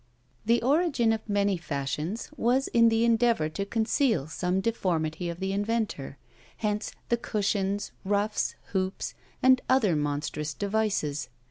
The origin of many fashions was in the endeavour to conceal some deformity of the inventor: hence the cushions, ruffs, hoops, and other monstrous devices.